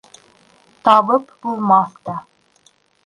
Табып булмаҫ та.